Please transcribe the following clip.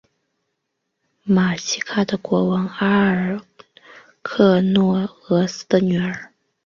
瑙西卡的国王阿尔喀诺俄斯的女儿。